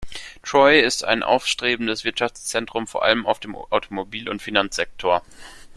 Troy ist ein aufstrebendes Wirtschaftszentrum, vor allem auf dem Automobil- und Finanzsektor.